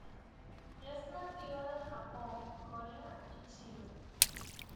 Es nativa de Japón, Corea y China.